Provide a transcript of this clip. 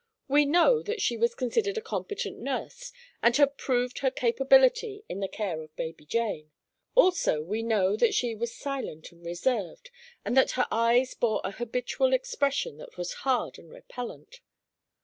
We know that she was considered a competent nurse and had proved her capability in the care of baby Jane. Also we know that she was silent and reserved and that her eyes bore an habitual expression that was hard and repellent.